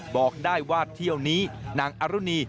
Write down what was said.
บอกได้ว่าเที่ยวนี้นางอรุณี